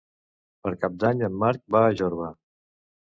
Per Cap d'Any en Marc va a Jorba.